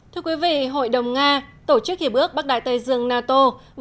thưa quý vị hội đồng nga tổ chức hiệp ước bắc đại tây dương nato vừa nhóm họp tại bruxelles scobie